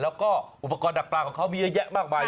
แล้วก็อุปกรณ์ดักปลาของเขามีเยอะแยะมากมาย